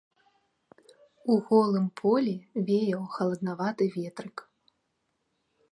У голым полі веяў халаднаваты ветрык.